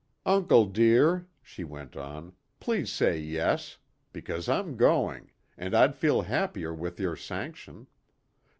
"Uncle dear," she went on, "please say 'yes.' Because I'm going, and I'd feel happier with your sanction.